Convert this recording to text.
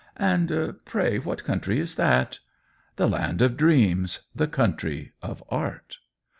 "And pray what country is that ?" "The land of dreams — the country of art."